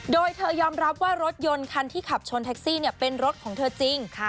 โดยเธอยอมรับว่ารถยนต์คันที่ขับชนแท็กซี่เป็นรถของเธอจริง